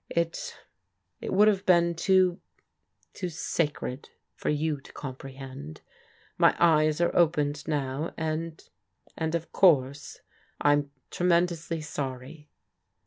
It — it would have been too — too sacred for you to comprehend. My eyes are opened now — and — and, of course, I'm — tremendously sorry."